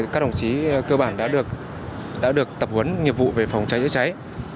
các đồng chí cơ bản đã được tập huấn nhiệm vụ về phòng cháy cháy cháy